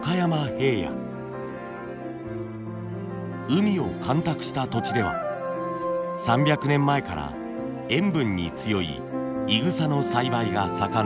海を干拓した土地では３００年前から塩分に強いいぐさの栽培が盛んでした。